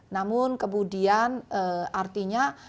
namun kemudian artinya